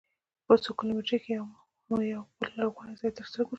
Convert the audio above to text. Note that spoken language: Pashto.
په څو کیلومترۍ کې مو یوه بل لرغونی ځاې تر سترګو سو.